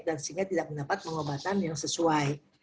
dan sehingga tidak mendapat pengobatan yang sesuai